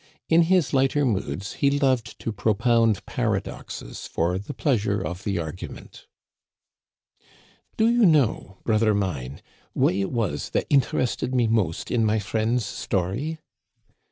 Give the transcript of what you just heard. In his lighter moods he loved to propound paradoxes for the pleasure of the argument. " Do you know, brother mine, what it was that inter ested me most in my friend's story